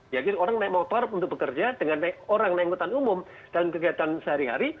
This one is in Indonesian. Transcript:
yakin orang naik motor untuk bekerja dengan naik orang naik motor umum dalam kegiatan sehari hari